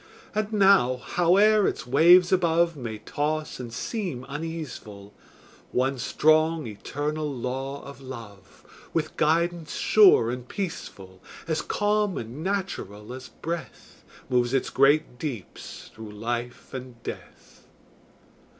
And now, howe'er its waves above May toss and seem uneaseful, One strong, eternal law of Love, With guidance sure and peaceful, As calm and natural as breath, Moves its great deeps through life and death.